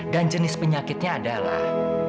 dan jenis penyakitnya adalah